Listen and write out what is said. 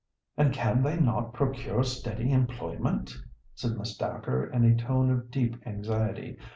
"And can they not procure steady employment?" said Miss Dacre, in a tone of deep anxiety.